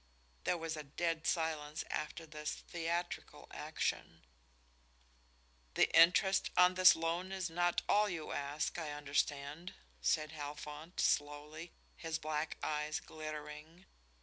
There was a dead silence after this theatrical action. "The interest on this loan is not all you ask, I understand," said Halfont, slowly, his black eyes glittering.